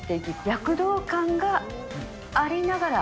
躍動感がありながら。